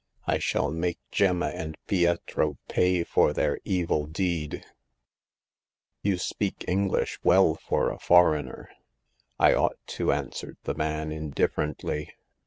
" I shall make Gemma and Pietro pay for their evil deed !"" You speak English well for a foreigner." " I ought to," answered the man, indifferently.